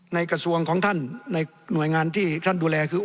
กระทรวงของท่านในหน่วยงานที่ท่านดูแลคือ